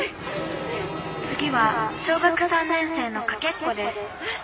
「次は小学３年生のかけっこです。